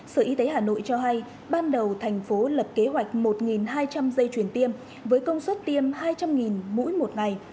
sở y tế hà nội cho hay ban đầu thành phố lập kế hoạch một hai trăm linh dây chuyển tiêm với công suất tiêm hai trăm linh mũi một ngày